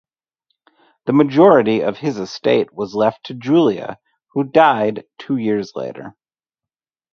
The majority of his estate was left to Julia, who died two years later.